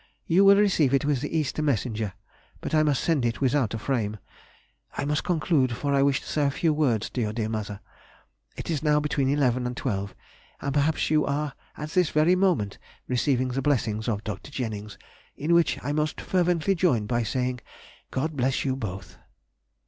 You will receive it with the Easter messenger, but I must send it without frame.... I must conclude, for I wish to say a few words to your dear mother. It is now between eleven and twelve, and perhaps you are at this very moment receiving the blessing of Dr. Jennings, in which I most fervently join by saying, "God bless you both!"